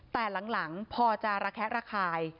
แต่หลังพอจะระแคะระคาย